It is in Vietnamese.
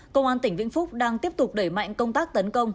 công an tỉnh vĩnh phúc đang tiếp tục đẩy mạnh công tác tấn công